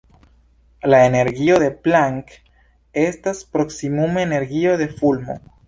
La energio de Planck estas proksimume energio de fulmo.